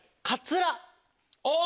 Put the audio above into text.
お！